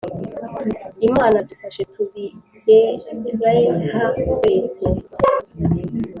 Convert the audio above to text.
imana dufashe tubijyereha twese